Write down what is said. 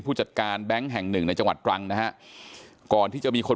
ผู้จัดการแบงค์แห่งหนึ่งในจังหวัดตรังนะฮะก่อนที่จะมีคน